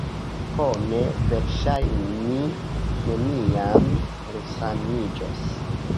Ho ne; verŝajne mi neniam resaniĝos...